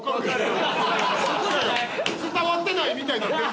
伝わってないみたいな。